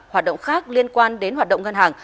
hoạt động khác liên quan đến hoạt động ngân hàng